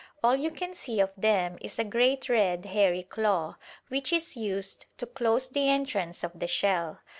All you can see of them is a great red hairy claw, which is used to close the entrance of the shell.